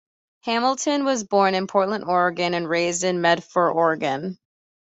Hamilton was born in Portland, Oregon and raised in Medford, Oregon.